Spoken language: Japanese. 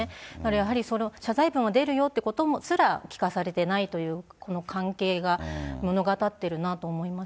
やはりその謝罪文が出るよということすら聞かされてないという、この関係が物語っているなと思います。